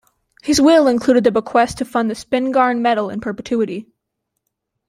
His will included a bequest to fund the Spingarn Medal in perpetuity.